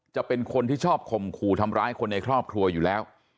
จะเป็นคนที่ชอบข่มขู่ทำร้ายคนในครอบครัวอยู่แล้ว